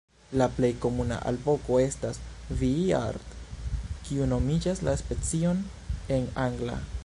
La plej komuna alvoko estas "vii-ar", kiu nomigas la specion en angla.